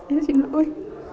em xin lỗi